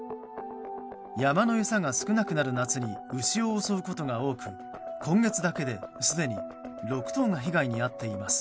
山の餌が少なくなる夏に牛を襲うことが多く今月だけですでに６頭が被害に遭っています。